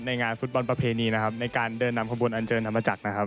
งานฟุตบอลประเพณีนะครับในการเดินนำขบวนอันเชิญธรรมจักรนะครับ